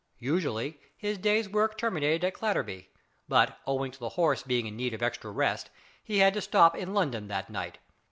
Usually his day's work terminated at Clatterby; but, owing to the horse being in need of extra rest he had to stop in London that night.